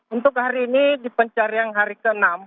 untuk hari ini di pencarian hari ke enam